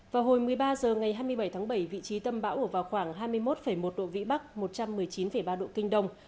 vào hồi một mươi ba h ngày hai mươi bảy tháng bảy vị trí tâm bão ở vào khoảng hai mươi một một độ vĩ bắc một trăm một mươi chín ba độ kinh đông